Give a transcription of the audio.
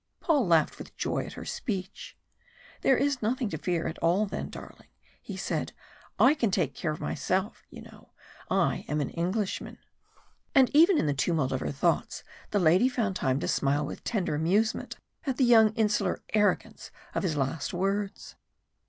Paul laughed with joy at her speech. "There is nothing to fear at all then, darling," he said. "I can take care of myself, you know. I am an Englishman." And even in the tumult of her thoughts the lady found time to smile with tender amusement at the young insular arrogance of his last words.